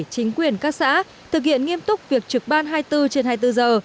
chính quyền các xã thực hiện nghiêm túc việc trực ban hai mươi bốn trên hai mươi bốn giờ